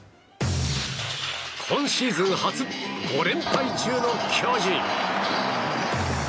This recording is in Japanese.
今シーズン初５連敗中の巨人。